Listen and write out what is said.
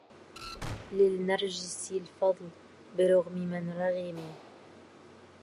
للنرجس الفضل برغم من رغم